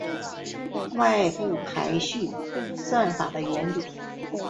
外部排序算法的原理